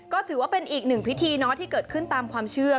ก็ถือว่าเป็นอีกหนึ่งพิธีที่เกิดขึ้นตามความเชื่อ